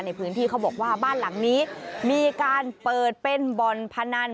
ในพื้นที่เขาบอกว่าบ้านหลังนี้มีการเปิดเป็นบ่อนพนัน